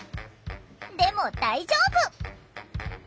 でも大丈夫！